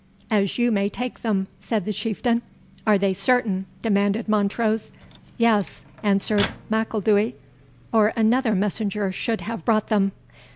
"As you may take them," said the Chieftain. "Are they certain?" demanded Montrose. "Yes," answered M'Ilduy, "or another messenger should have brought them.